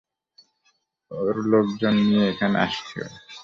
ওর লোকজন নিয়ে এখানে আসছে ও।